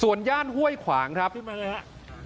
ย่านห้วยขวางครับขึ้นมาเลยครับ